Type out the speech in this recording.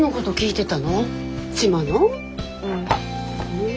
うん。